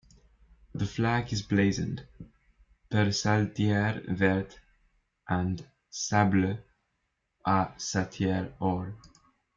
The flag is blazoned: Per saltire vert and sable, a saltire Or.